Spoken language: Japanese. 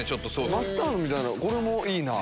マスタードみたいなこれもいいなぁ。